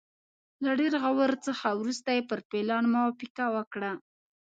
له ډېر غور څخه وروسته پر پلان موافقه وکړه.